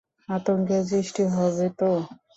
আতঙ্কের সৃষ্টি হবে তো।